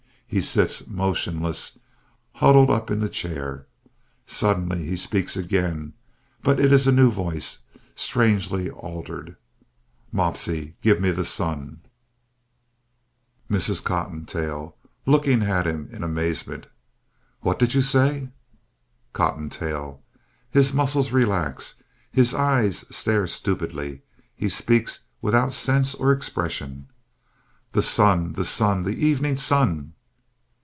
He sits motionless, huddled up in the chair. Suddenly he speaks again, but it is a new voice, strangely altered._) Mopsy, give me The Sun. MRS. COTTONTAIL (looking at him in amazement) What do you say? COTTONTAIL (His muscles relax. His eyes stare stupidly. He speaks without sense or expression) _The Sun! The Sun! The Evening Sun!